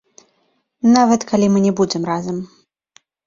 Нават, калі мы не будзем разам.